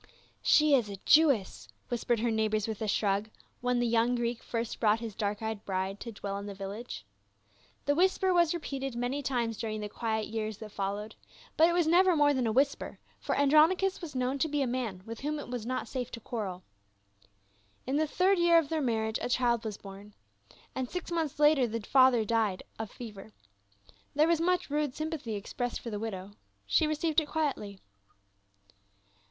" She is a Jewess," whispered her neighbors with a shrug, when the young Greek first brought his dark eyed bride to dwell in the village. The whisper was repeated many times during the quiet years that followed, but it was never more than a whisper, for Andronicus was known to be a man with whom it was not safe to quarrel. In the third year of their marriage a child was born, and six months later the father died of fever. There was much rude sympathy expressed for the widow ; she received it quietly.